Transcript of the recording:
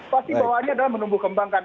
pasti bawaannya adalah menumbuh kembangkan